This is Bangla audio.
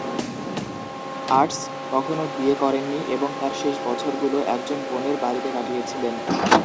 আটস কখনো বিয়ে করেননি এবং তার শেষ বছরগুলো একজন বোনের বাড়িতে কাটিয়েছিলেন।